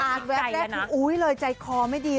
อาจแบบแน่คุณอุ๊ยเลยใจคอไม่ดี